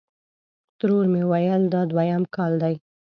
ترور مې ویل: دا دویم کال دی.